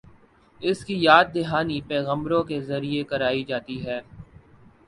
اس کی یاد دہانی پیغمبروں کے ذریعے کرائی جاتی ہے۔